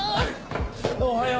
おはよう！